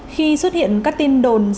khi xuất hiện các tin đồn sẽ